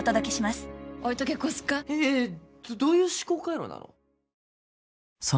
ええっどういう思考回路なの？